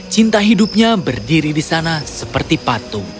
cinta hidupnya berdiri di sana seperti patung